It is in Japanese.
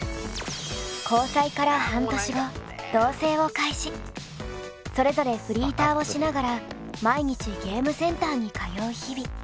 続いてはそれぞれフリーターをしながら毎日ゲームセンターに通う日々。